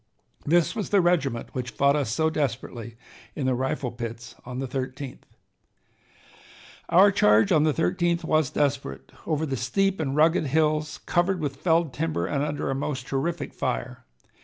This was the regiment which fought us so desperately in the rifle pits on the 13th. "Our charge on the 13th was desperate, over the steep and rugged hills, covered with felled timber and under a most terrific fire.